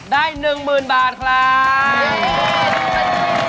ได้๑๐๐๐บาทครับ